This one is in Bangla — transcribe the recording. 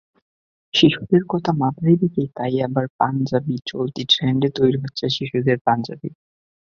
শিশুদের কথা মাথায় রেখেই তাই এবার চলতি ট্রেন্ডে তৈরি হচ্ছে শিশুদের পাঞ্জাবি।